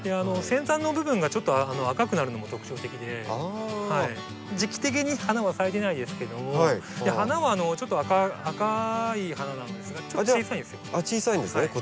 先端の部分がちょっと赤くなるのが特徴的で時期的に花は咲いてないですけども花はちょっと赤い花なのですがちょっと小さいんですよ。